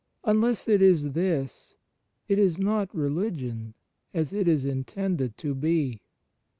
Unless it is this, it is not Religion as it is intended to be.